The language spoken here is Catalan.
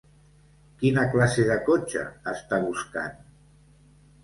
Quina classe de cotxe està buscant?